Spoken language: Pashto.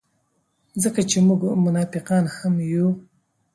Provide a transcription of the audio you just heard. ځکه چې موږ منافقان هم یو.